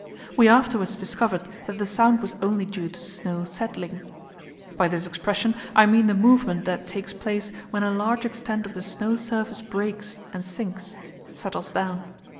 We afterwards discovered that the sound was only due to snow "settling." By this expression I mean the movement that takes place when a large extent of the snow surface breaks and sinks (settles down).